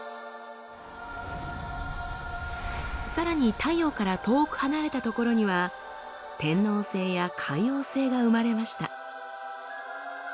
さらに太陽から遠く離れた所には天王星や海王星が生まれました。